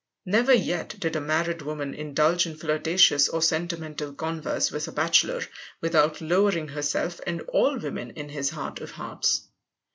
Never yet did a married woman indulge in flirtatious or sentimental converse with a bachelor without lowering herself and all women in his heart of hearts.